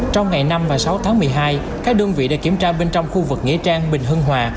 trong ngày năm và sáu tháng một mươi hai các đơn vị đã kiểm tra bên trong khu vực nghĩa trang bình hưng hòa